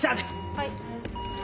はい。